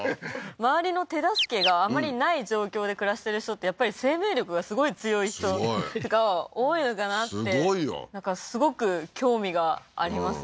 周りの手助けがあまりない状況で暮らしてる人ってやっぱり生命力がすごい強い人が多いのかなってすごいよすごく興味がありますね